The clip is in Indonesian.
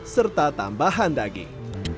serta tambahan daging